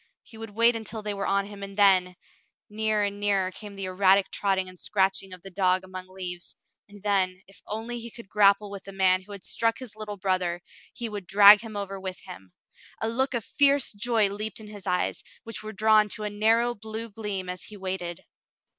He would wait until they were on him, and then — nearer and nearer came the erratic trotting and scratching of the dog among the leaves — and then, if only he could grapple with the man 40 The Mountain Girl who had struck his little brother, he would drag him over with him. A look of fierce joy leaped in his eyes, which were drawn to a narrow blue gleam as he waited.